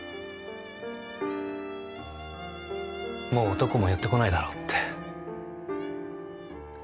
もう男も寄ってこないだろうって。